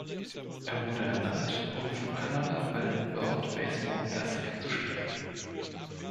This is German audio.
Er wurde ernannt, um für Kanada bei den World Baseball Classic zu spielen.